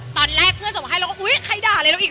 ตอนแรกเพื่อนส่งมาให้เราก็อุ๊ยใครด่าอะไรเราอีก